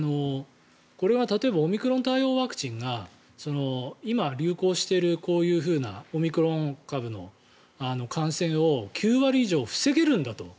これは例えばオミクロン対応ワクチンが今、流行しているこういうオミクロン株の感染を９割以上防げるんだと。